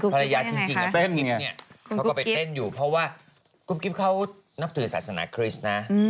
ภรรยาจริงเขาก็ไปเต้นอยู่เพราะว่ากรุ๊ปกิฟต์เขานับถือศาสนาคริสต์นะ